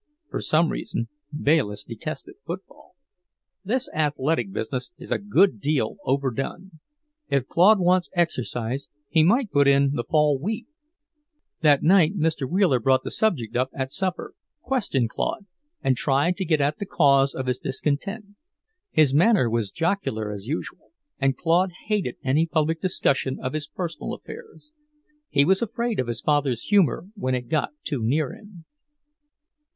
For some reason Bayliss detested football. "This athletic business is a good deal over done. If Claude wants exercise, he might put in the fall wheat." That night Mr. Wheeler brought the subject up at supper, questioned Claude, and tried to get at the cause of his discontent. His manner was jocular, as usual, and Claude hated any public discussion of his personal affairs. He was afraid of his father's humour when it got too near him.